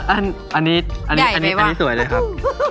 อันนี้อันนี้อันนี้อันนี้สวยเลยครับ